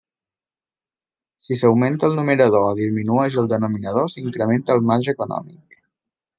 Si s'augmenta el numerador o disminueix el denominador s'incrementa el marge econòmic.